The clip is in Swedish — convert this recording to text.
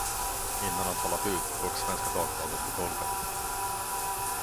Innan han talat ut låg Svenska Dagbladet på golvet.